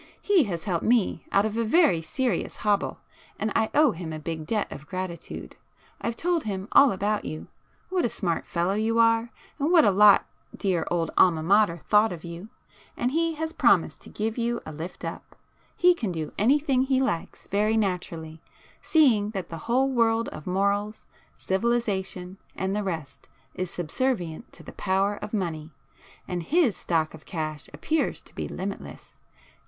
He has helped me out of a very serious hobble, and I owe him a big debt of gratitude. I've told him all about you,—what a smart fellow you are, and what a lot dear old Alma Mater thought of you, and he has promised to give you a lift up. He can do anything he likes; very naturally, seeing that the whole world of morals, civilization and the rest is subservient to the power of money,—and his stock of cash appears to be limitless.